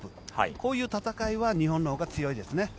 こういう戦いは日本のほうが強いですね。